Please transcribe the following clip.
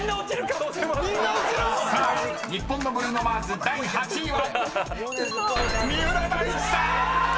・ホントに⁉［さあ日本のブルーノ・マーズ第７位は］